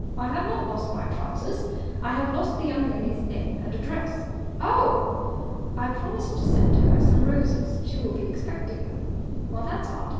"I have not lost my trousers. I have lost the young lady's name and address." "Oh!" "I promised to send her some roses. She will be expecting them." "That's odd.